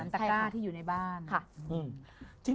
จักษรตะก้าที่อยู่ในบ้าน